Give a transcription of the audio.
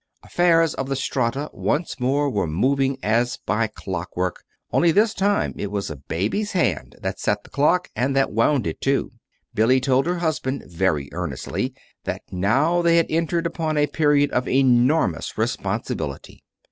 Affairs at the Strata once more were moving as by clockwork only this time it was a baby's hand that set the clock, and that wound it, too. Billy told her husband very earnestly that now they had entered upon a period of Enormous Responsibility.